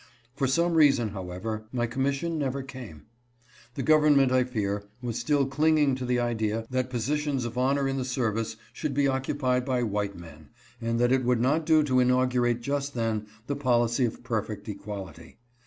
For some reason, however, my commission never came. The gov ernment, I fear, was still clinging to the idea that positions of honor in the service should be occupied by white men, and that it would not do to inaugurate just then the policy of perfect equality.